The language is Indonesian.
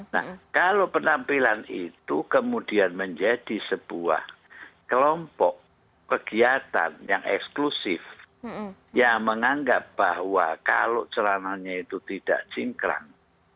nah kalau penampilan itu kemudian menjadi sebuah kelompok kegiatan yang eksklusif yang menganggap bahwa kalau celananya itu tidak singkrang